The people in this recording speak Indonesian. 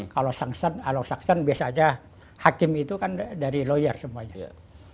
kalau anglo saxon biasanya hakim itu kan dari lawyer semuanya